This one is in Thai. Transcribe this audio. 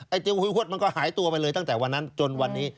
ไอ้เจ้าหุ้ดมันก็หายตัวไปเลยตั้งแต่วันนั้นจนวันนี้